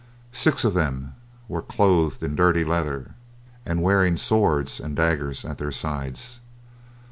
Six of them there were, clothed in dirty leather, and wearing swords and daggers at their sides.